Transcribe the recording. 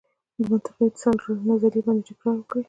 د منطقوي اتصال نظریې باندې ټینګار وکړ.